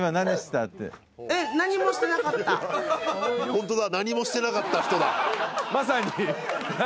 ホントだ。